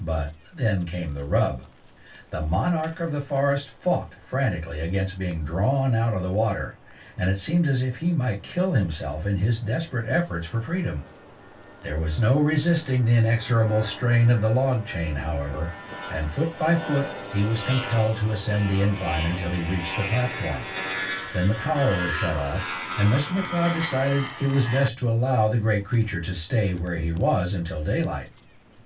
But then came the rub. The monarch of the forest fought frantically against being drawn out of the water, and it seemed as if he might kill himself in his desperate efforts for freedom. [Illustration: CAPTURING THE MOOSE.] There was no resisting the inexorable strain of the log chain, however, and foot by foot he was compelled to ascend the incline until he reached the platform. Then the power was shut off, and Mr. M'Leod decided that it was best to allow the great creature to stay where he was until daylight.